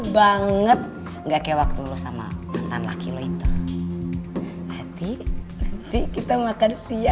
dan gue gak akan kasih celah nino untuk mikirnya